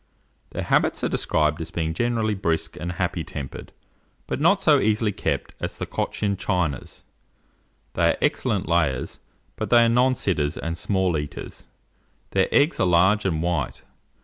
Their habits are described as being generally brisk and happy tempered, but not so easily kept in as Cochin Chinas. They are excellent layers; but they are non sitters and small eaters: their eggs are large and white.